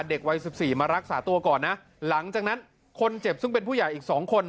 เด็กวัยสิบสี่มารักษาตัวก่อนนะหลังจากนั้นคนเจ็บซึ่งเป็นผู้ใหญ่อีกสองคน